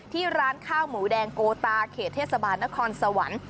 ที่ร้านข้าวหมูแดงโกตาเขตเทศบาลนครสวรรค์